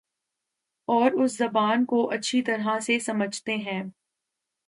اور اس زبان کو اچھی طرح سے سمجھتے ہیں